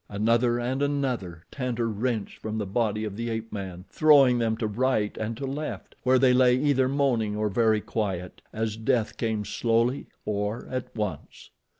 Another and another Tantor wrenched from the body of the ape man, throwing them to right and to left, where they lay either moaning or very quiet, as death came slowly or at once.